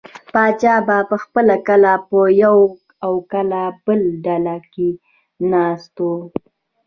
پاچا به پخپله کله په یوه او کله بله ډله کې ناست و.